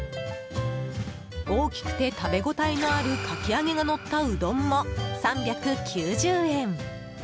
大きくて食べ応えのあるかき揚げがのったうどんも３９０円。